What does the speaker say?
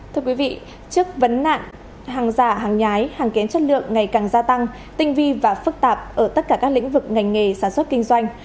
thưa quý vị trước vấn nạn hàng giả hàng nhái hàng kém chất lượng ngày càng gia tăng tinh vi và phức tạp ở tất cả các lĩnh vực ngành nghề sản xuất kinh doanh